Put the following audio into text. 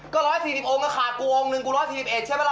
ก็ร้อยสี่สิบองค์ก็ขาดกูองค์หนึ่งกูร้อยสี่สิบเอ็ดใช่ไหมล่ะ